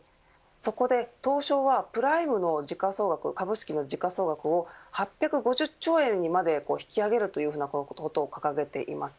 そこで東証はプライムの時価総額、株式の時価総額を８５０兆円にまで引き上げるということを掲げています。